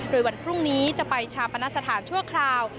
โดยวันพรุ่งนี้จะไปชาปนสถานชั่วคราว